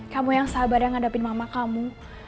kamu yang sabar yang ngadepin mama kamu